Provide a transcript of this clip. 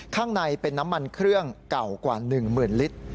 ข้างในเป็นน้ำมันเครื่องเก่ากว่าหนึ่งหมื่นลิตร